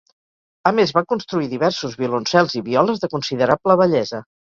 A més va construir diversos violoncels i violes de considerable bellesa.